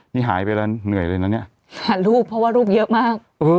นี่หายไปแล้วเหนื่อยเลยนะเนี่ยหารูปเพราะว่ารูปเยอะมาก